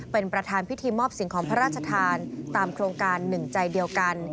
เป็นประธานพิธีมอบสิ่งของพระราชทานตามโครงการหนึ่งใจเดียวกัน